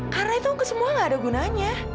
karena itu untuk semua nggak ada gunanya